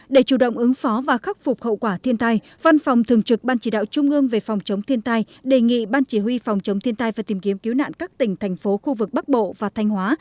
để chủ động ứng phó và khắc phục hậu quả thiên tai văn phòng thường trực ban chỉ đạo trung ương về phòng chống thiên tai đề nghị ban chỉ huy phòng chống thiên tai và tìm kiếm cứu nạn các tỉnh thành phố khu vực bắc bộ và thanh hóa